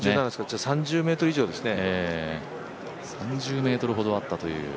じゃあ３０ｍ以上ですね。